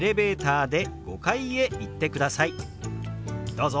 どうぞ！